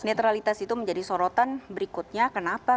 netralitas itu menjadi sorotan berikutnya kenapa